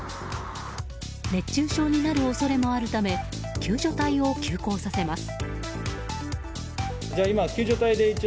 熱中症になる恐れもあるため救助隊を急行させます。